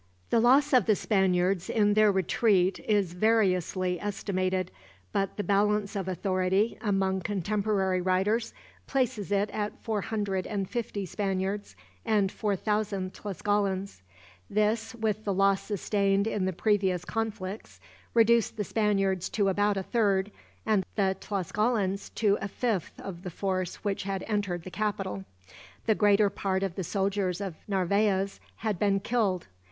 The loss of the Spaniards in their retreat is variously estimated; but the balance of authority, among contemporary writers, places it at four hundred and fifty Spaniards, and four thousand Tlascalans. This, with the loss sustained in the previous conflicts, reduced the Spaniards to about a third, and the Tlascalans to a fifth of the force which had entered the capital. The greater part of the soldiers of Narvaez had been killed.